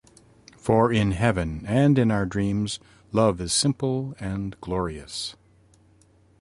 For in heaven and in our dreams, love is simple and glorious.